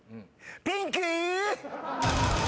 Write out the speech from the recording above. ピンク！